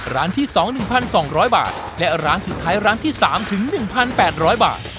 ร้านที่สองหนึ่งพันสองร้อยบาทและร้านสุดท้ายร้านที่สามถึงหนึ่งพันแปดร้อยบาท